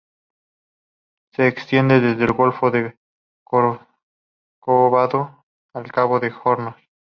Se extiende desde el Golfo de Corcovado al cabo de Hornos.